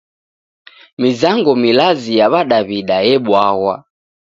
Mizango milazi ya w'adaw'ida ebwaghwa.